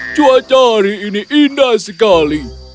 cuacari ini indah sekali